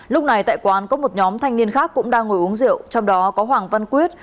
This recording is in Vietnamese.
lúc này tại quán có một nhóm thanh niên khác cũng đang ngồi uống rượu trong đó có hoàng văn quyết